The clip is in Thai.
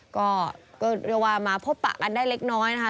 ก็เรียกว่ามาพบปะกันได้เล็กน้อยนะคะ